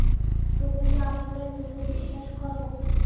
তুমি কি আসলেই ভূতে বিশ্বাস করো?